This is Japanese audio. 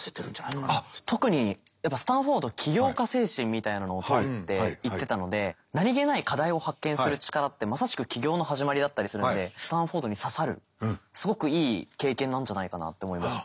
特にやっぱスタンフォード起業家精神みたいなのをとるって言ってたので何気ない課題を発見する力ってまさしく起業の始まりだったりするのでスタンフォードに刺さるすごくいい経験なんじゃないかなって思いました。